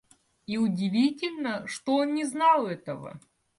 И удивительно, что он не знал этого.